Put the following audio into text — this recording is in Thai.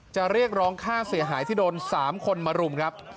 เรียกร้องค่าเสียหายที่โดน๓คนมารุมครับ